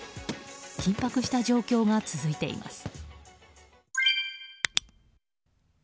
緊迫した状況が続いています。